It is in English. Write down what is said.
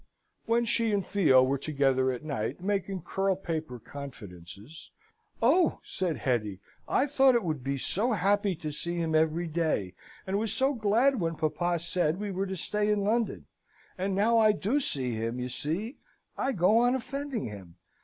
When she and Theo were together at night, making curl paper confidences, "Oh!" said Hetty, "I thought it would be so happy to see him every day, and was so glad when papa said we were to stay in London! And now I do see him, you see, I go on offending him.